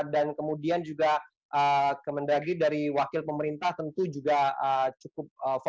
dan kemudian juga kemendagih dari wakil pemerintah tentu juga cukup fokus untuk melihat